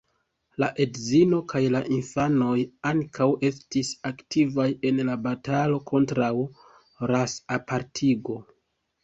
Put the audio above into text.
La edzino kaj la infanoj ankaŭ estis aktivaj en la batalo kontraŭ ras-apartigo.